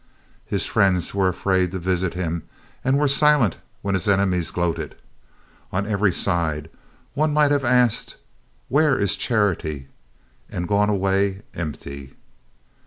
His friends were afraid to visit him and were silent when his enemies gloated. On every side one might have asked, Where is charity? and gone away empty.